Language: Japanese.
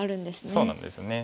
そうなんですよね。